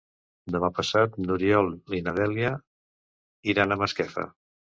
Demà passat n'Oriol i na Dèlia iran a Masquefa.